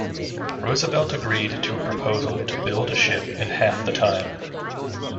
Roosevelt agreed to a proposal to build a ship in half the time.